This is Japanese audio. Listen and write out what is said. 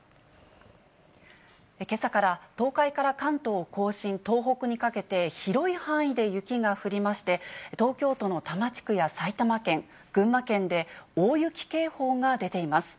けさから、東海から関東甲信、東北にかけて、広い範囲で雪が降りまして、東京都の多摩地区や埼玉県、群馬県で、大雪警報が出ています。